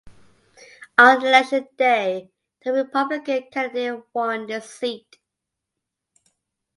On Election Day, the Republican candidate won the seat.